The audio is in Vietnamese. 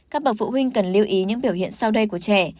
các bậc phụ huynh cần lưu ý những biểu hiện sau đây của trẻ